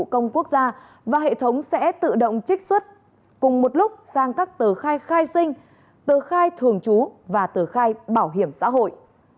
công quốc gia và hệ thống sẽ tự động trích xuất cùng một lúc sang các tờ khai khai sinh tờ khai thường trú và tờ khai bảo hiểm xã hội